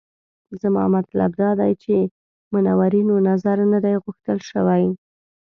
زما مطلب دا دی چې منورینو نظر نه دی غوښتل شوی.